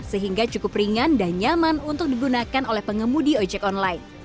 sehingga cukup ringan dan nyaman untuk digunakan oleh pengemudi ojek online